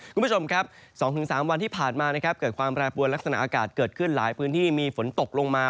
คุณผู้ชมครับ๒๓วันที่ผ่านมานะครับเกิดความแปรปวนลักษณะอากาศเกิดขึ้นหลายพื้นที่มีฝนตกลงมา